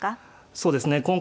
そうですね